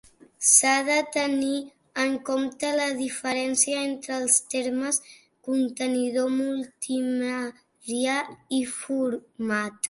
S'ha de tenir en compte la diferència entre els termes contenidor multimèdia i format.